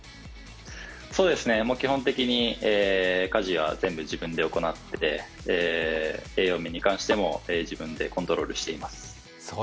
そうですね、基本的に、家事は全部自分で行って栄養面に関しても自分でコントロールしています。